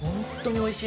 おいしい。